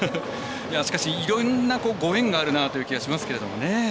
いろんなご縁があるなという気がしますけどもね。